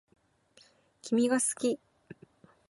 君が好き